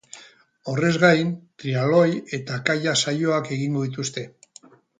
Horrez gain, triathloi eta kayak saioak egingo dituzte.